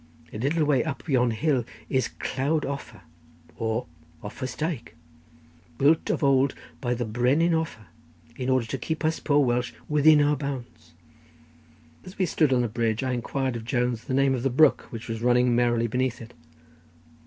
A little way up on yon hill is Clawdd Offa, or Offa's dyke, built of old by the Brenin Offa in order to keep us poor Welsh within our bounds." As we stood on the bridge, I inquired of Jones the name of the brook which was running merrily beneath it.